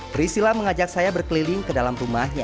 trisila mengajak saya berkeliling ke dalam rumahnya